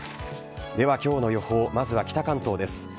ではきょうの予報、まずは北関東です。